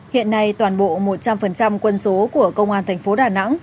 hiện nay toàn bộ một trăm linh quân số của công an thành phố đà nẵng